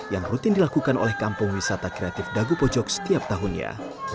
yang rutin dilakukan oleh kampung wisata kreatif dago pojok setiap tahunnya